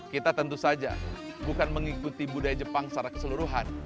kita tentu saja bukan mengikuti budaya jepang secara keseluruhan